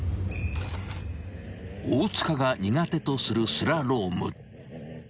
［大塚が苦手とするスラローム］